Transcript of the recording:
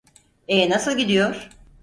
Ee, nasıl gidiyor?